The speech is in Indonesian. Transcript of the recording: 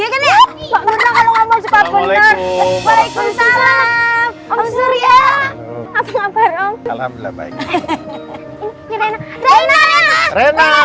om suria apa ngapain om alhamdulillah baiknya